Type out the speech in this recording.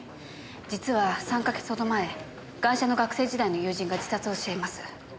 実は３か月ほど前ガイシャの学生時代の友人が自殺をしています。